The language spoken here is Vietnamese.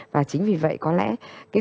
và chính vì vậy có lẽ